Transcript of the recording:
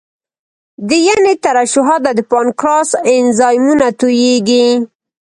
د ینې ترشحات او د پانکراس انزایمونه تویېږي.